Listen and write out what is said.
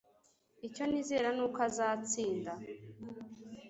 Icyo nizera nuko azatsinda